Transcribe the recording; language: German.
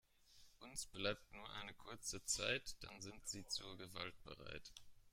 Uns bleibt nur eine kurze Zeit, dann sind sie zur Gewalt bereit.